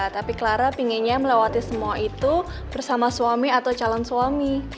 tapi clara pengennya melewati semua itu bersama suami atau calon suami